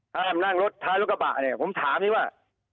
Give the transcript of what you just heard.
ห้ามนั่งรถท้ายรถกระบะเนี่ยผมถามสิว่า